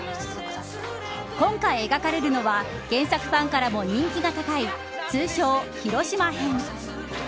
今回描かれるのは原作ファンからも人気が高い通称、広島編。